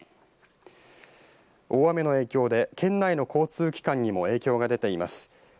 大雨の影響で県内の交通機関にも影響が出ています。